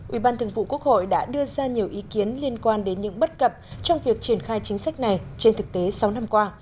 ủy ban thường vụ quốc hội đã đưa ra nhiều ý kiến liên quan đến những bất cập trong việc triển khai chính sách này trên thực tế sáu năm qua